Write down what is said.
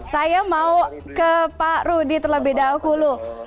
saya mau ke pak rudy telabeda hulu